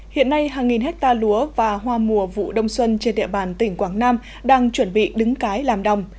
hiện nay hàng nghìn hectare lúa và hoa mùa vụ đông xuân trên địa bàn tỉnh quảng nam đang chuẩn bị đứng cái làm đồng